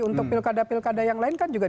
untuk pilkada pilkada yang lain kan juga